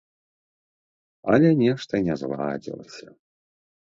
Але нешта не зладзілася.